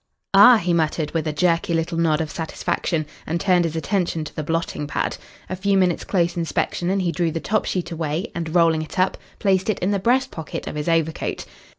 "Ah!" he muttered, with a jerky little nod of satisfaction, and turned his attention to the blotting pad. A few minutes' close inspection and he drew the top sheet away and, rolling it up, placed it in the breast pocket of his overcoat.